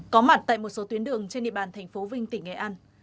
có mặt tại một số tuyến đường trên địa bàn tp vinh tỉnh nghệ an